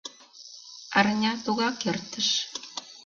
Арня тугак эртыш.